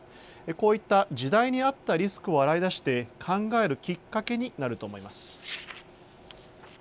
こういった時代に合ったリスクを洗い出し、考えるきっかけになると思います。